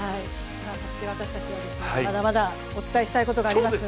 そして私たちはまだまだお伝えしたいことがあります。